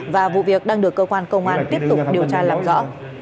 và vụ việc đang được cơ quan công an tiếp tục điều tra làm rõ